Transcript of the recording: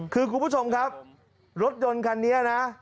คือคุณผู้ชมครับรถยนต์คันนี้นะ